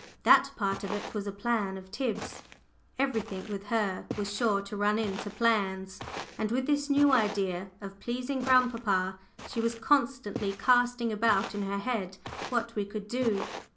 That part of it was a "plan" of Tib's everything with her was sure to run into "plans," and with this new idea of pleasing grandpapa, she was constantly casting about in her head what we could do.